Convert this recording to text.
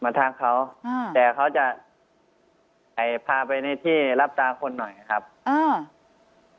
ทักเขาอ่าแต่เขาจะเอ่อพาไปในที่รับตาคนหน่อยนะครับอ่า